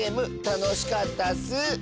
たのしかったッス。